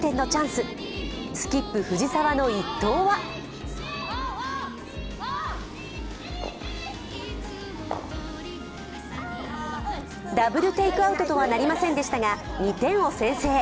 スキップ・藤澤の１投はダブルテークアウトとはなりませんでしたが、２点を先制。